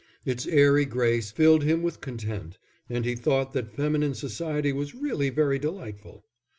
Its airy grace filled him with content, and he thought that feminine society was really very delightful.